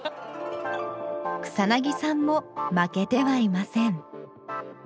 草さんも負けてはいません